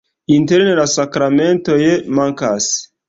Interne la sakramentoj mankas.